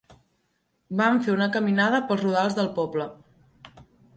Vam fer una caminada pels rodals del poble.